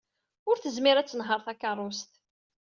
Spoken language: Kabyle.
Ur tezmir ad tenheṛ takeṛṛust.